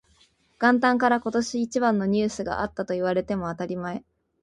元旦から今年一番のニュースがあったと言われても当たり前